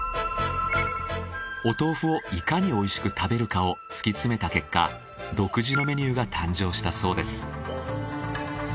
お豆腐をいかにおいしく食べるかを突き詰めた結果独自のメニューが誕生したそうです。